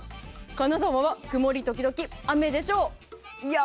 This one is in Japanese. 金沢は曇り時々雨でしょう。